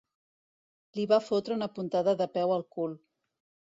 Li va fotre una puntada de peu al cul.